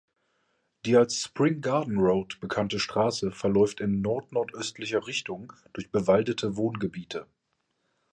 Die als Spring Garden Road bekannte Straße verläuft in nord-nordöstlicher Richtung durch bewaldete Wohngebiete.